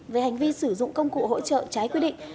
về hành vi sử dụng công cụ hỗ trợ trái quy định